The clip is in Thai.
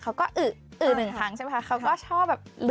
เขาก็อึหนึ่งครั้งเขาก็ชอบแบบ